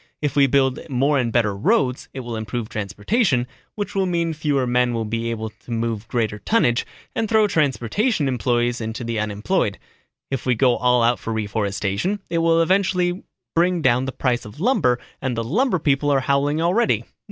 If we build more and better roads, it will improve transportation, which will mean fewer men will be able to move greater tonnage and throw transportation employees into the unemployed. If we go all out for reforestation, it will eventually bring down the price of lumber and the lumber people are howling already.